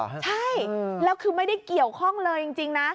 ใช่แล้วคือไม่ได้เกี่ยวข้องเลยจริงนะ